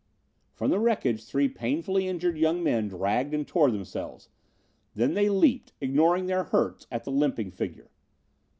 From the wreckage three painfully injured young men dragged and tore themselves. Then they leaped ignoring their hurts at the limping figure.